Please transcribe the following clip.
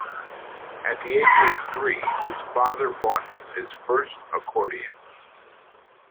At the age of three, his father bought him his first accordion.